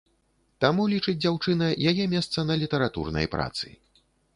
Таму, лічыць дзяўчына, яе месца на літаратурнай працы.